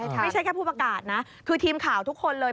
ไม่ใช่แค่ผู้ประกาศนะคือทีมข่าวทุกคนเลย